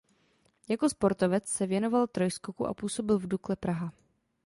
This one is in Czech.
Jako sportovec se věnoval trojskoku a působil v Dukle Praha.